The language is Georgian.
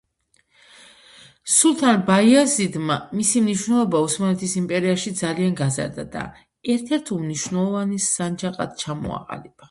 სულთან ბაიაზიდმა მისი მნიშვნელობა ოსმალეთის იმპერიაში ძალიან გაზარდა და ერთ-ერთ უმნიშვნელოვანეს სანჯაყად ჩამოაყალიბა.